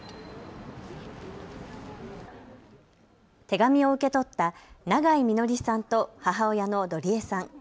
手紙を受け取った永井みのりさんと母親の路里絵さん。